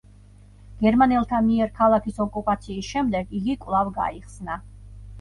გერმანელთა მიერ ქალაქის ოკუპაციის შემდეგ იგი კვლავ გაიხსნა.